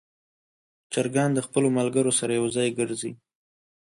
چرګان د خپلو ملګرو سره یو ځای ګرځي.